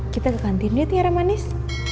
kita ke kantin dia tiara manis